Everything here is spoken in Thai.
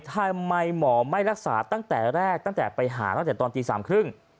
ทำไมหมอไม่รักษาตั้งแต่แรกตั้งแต่ไปหาตั้งแต่ตอนตีสามครึ่ง